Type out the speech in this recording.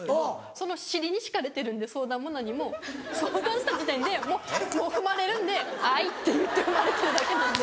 その尻に敷かれてるんで相談も何も相談した時点でもう踏まれるんで「あい」って言って踏まれてるだけなんで。